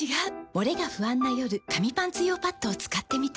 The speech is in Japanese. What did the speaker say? モレが不安な夜紙パンツ用パッドを使ってみた。